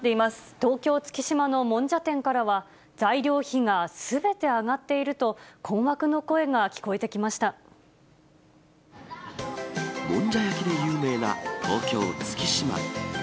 東京・月島のもんじゃ店からは、材料費がすべて上がっていると、もんじゃ焼きで有名な東京・月島。